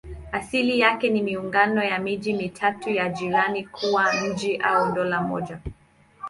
Asili yake ni maungano ya miji mitatu ya jirani kuwa mji au dola moja.